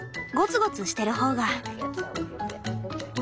ゴツゴツしてる方が。